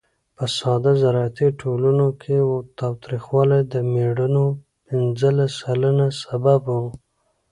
په ساده زراعتي ټولنو کې تاوتریخوالی د مړینو پینځلس سلنه سبب و.